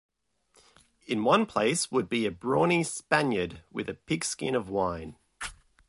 In one place would be a brawny Spaniard with a pigskin of wine.